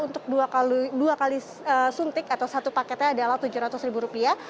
untuk dua kali suntik atau satu paketnya adalah tujuh ratus ribu rupiah